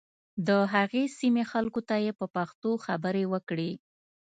د هغې سیمې خلکو ته یې په پښتو خبرې وکړې.